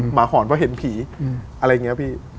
หอนเพราะเห็นผีอะไรอย่างนี้พี่